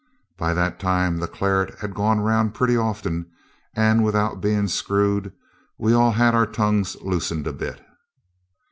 By that time the claret had gone round pretty often; and without being screwed we'd all had our tongues loosened a bit.